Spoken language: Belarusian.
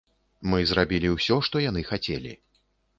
Мы зрабілі ўсё, што яны хацелі.